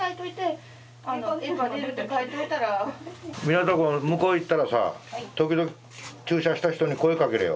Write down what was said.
湊くん向こう行ったらさ時々注射した人に声かけろよ。